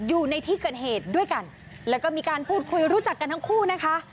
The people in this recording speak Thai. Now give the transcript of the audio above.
อยู่ในที่เกิดเหตุด้วยกันแล้วก็มีการพูดคุยรู้จักกันทั้งคู่นะคะ